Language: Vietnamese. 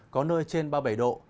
có nơi trên ba mươi bảy độ